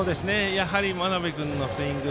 やはり真鍋君のスイング